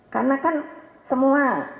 karena kan semua